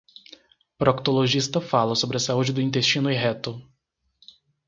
Proctologista fala sobre a saúde do intestino e reto